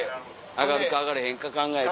上がるか上がれへんか考えて。